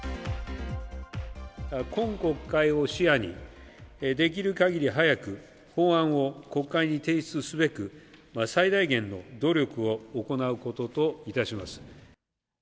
今国会を視野に、できるかぎり早く法案を国会に提出すべく、最大限の努力を行うことといたします。